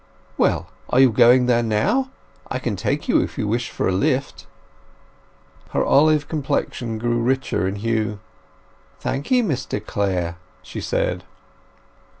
"Well—are you going there now? I can take you if you wish for a lift." Her olive complexion grew richer in hue. "Thank 'ee, Mr Clare," she said.